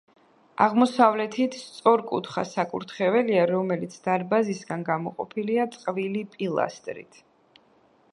აღმოსავლეთით სწორკუთხა საკურთხეველია, რომელიც დარბაზისგან გამოყოფილია წყვილი პილასტრით.